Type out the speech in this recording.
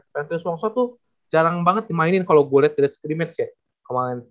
valentinus wongso tuh jarang banget dimainin kalo gue liat dari screen match ya kemaren